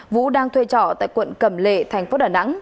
vũ đang thuê trọ tại quận cầm lệ tp đà nẵng